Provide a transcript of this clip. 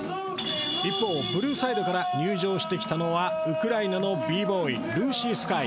一方ブルーサイドから入場してきたのはウクライナのＢ−ＢＯＹＬｕｓｓｙＳｋｙ。